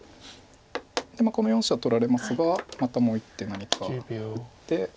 この４子は取られますがまたもう一手何か打って。